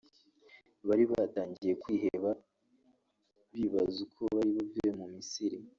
bari batangiye kwiheba bibaza uko bari buve mu Misiri